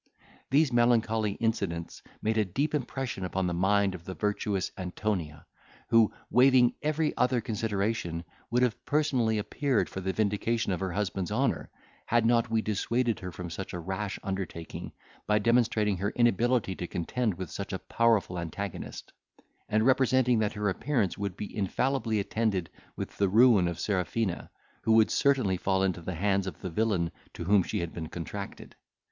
"These melancholy incidents made a deep impression upon the mind of the virtuous Antonia, who waiving every other consideration, would have personally appeared for the vindication of her husband's honour, had not we dissuaded her from such a rash undertaking, by demonstrating her inability to contend with such a powerful antagonist; and representing that her appearance would be infallibly attended with the ruin of Serafina, who would certainly fall into the hands of the villain to whom she had been contracted.